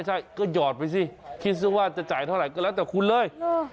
ใช่ก็หยอดไปสิคิดซะว่าจะจ่ายเท่าไหร่ก็แล้วแต่คุณเลย